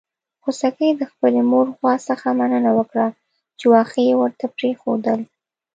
خوسکي د خپلې مور غوا څخه مننه وکړه چې واښه يې ورته پرېښودل.